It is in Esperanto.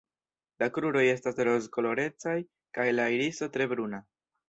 La kruroj estas rozkolorecaj kaj la iriso tre bruna.